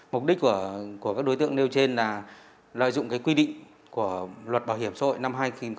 mục đích của các đối tượng nêu trên là lợi dụng quy định của luật bảo hiểm xã hội năm hai nghìn một mươi bốn